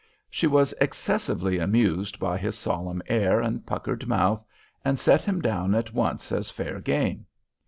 She was excessively amused by his solemn air and puckered mouth, and set him down at once as fair game.